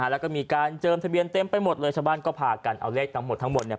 แล้วก็มีการเจิมทะเบียนเต็มไปหมดเลยชาวบ้านก็พากันเอาเลขทั้งหมดทั้งหมดเนี่ย